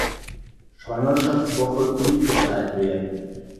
Schwangerschaftswoche mitgeteilt werden.